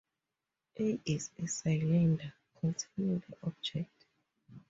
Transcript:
A is a cylinder containing the object.